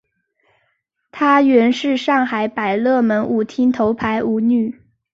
她原是上海百乐门舞厅的头牌舞女。